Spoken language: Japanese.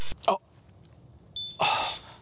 ああ。